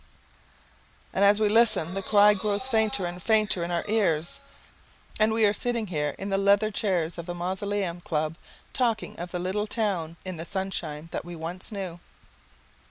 And as we listen, the cry grows fainter and fainter in our ears and we are sitting here again in the leather chairs of the Mausoleum Club, talking of the little Town in the Sunshine that once we knew.